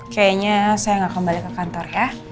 kayaknya saya nggak kembali ke kantor ya